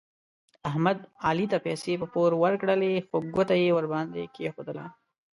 احمد علي ته پیسې په پور ورکړلې خو ګوته یې ور باندې کېښودله.